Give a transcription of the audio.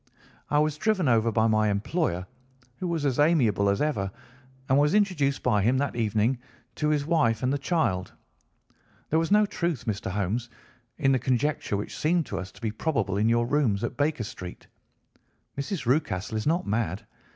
"I was driven over by my employer, who was as amiable as ever, and was introduced by him that evening to his wife and the child. There was no truth, Mr. Holmes, in the conjecture which seemed to us to be probable in your rooms at Baker Street. Mrs. Rucastle is not mad.